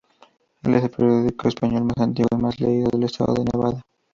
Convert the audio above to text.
Es el periódico en español más antiguo y más leído del Estado de Nevada.